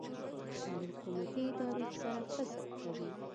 او له حکومتي ادارو سره فرق کوي.